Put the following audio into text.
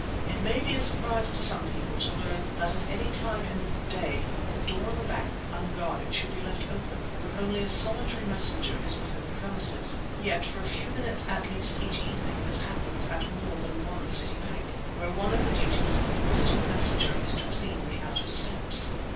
It may be a surprise to some people to learn that at any time in the day the door of a bank, unguarded, should be left open, when only a solitary messenger is within the premises; yet for a few minutes at least each evening this happens at more than one City bank, where one of the duties of the resident messenger is to clean the outer steps.